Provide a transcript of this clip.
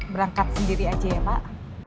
berangkat sendiri aja ya pak